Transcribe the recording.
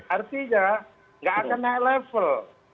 artinya nggak akan naik level